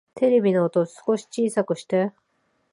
テレビの音、少し小さくして